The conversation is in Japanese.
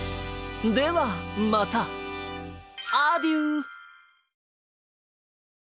ではまたアデュー！